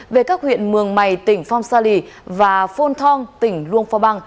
về các huyện mường mày tỉnh phong sa lì và phôn thong tỉnh luông phong bang